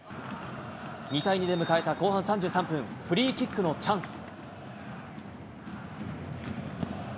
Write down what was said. ２対２で迎えた後半３３分、フリーキックのチャンス。